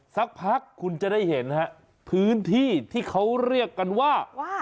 สักพักคุณจะได้เห็นฮะพื้นที่ที่เขาเรียกกันว่า